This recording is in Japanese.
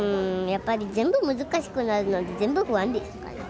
やっぱり全部難しくなるので全部不安ですかね